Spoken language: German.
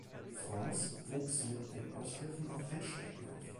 France wuchs mit dem Aushelfen auf Rennstrecken auf.